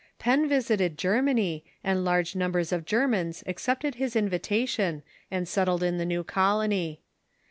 Penn visited Germany, and large numbers of Germans accept ed his invitation and settled in the new colony.